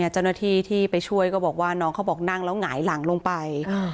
เจ้าหน้าที่ที่ไปช่วยก็บอกว่าน้องเขาบอกนั่งแล้วหงายหลังลงไป